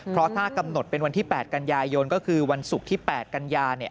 เพราะถ้ากำหนดเป็นวันที่๘กันยายนก็คือวันศุกร์ที่๘กันยาเนี่ย